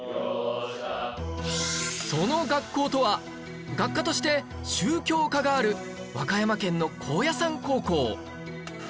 その学校とは学科として宗教科がある和歌山県の高野山高校